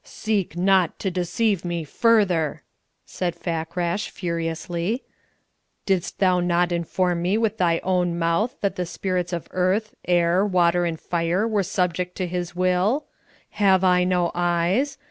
"Seek not to deceive me further!" said Fakrash, furiously. "Didst thou not inform me with thy own mouth that the spirits of Earth, Air, Water, and Fire were subject to his will? Have I no eyes?